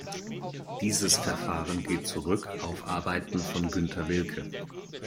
Dieses Verfahren geht zurück auf Arbeiten von Günther Wilke.